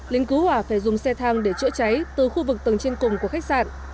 lính cứu hỏa phải dùng xe thang để chữa cháy từ khu vực tầng trên cùng của khách sạn